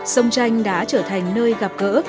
sông tranh đã trở thành nơi gặp gỡ